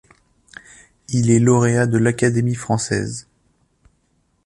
Il est lauréat de l'Académie française.